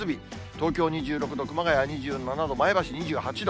東京２６度、熊谷２７度、前橋２８度。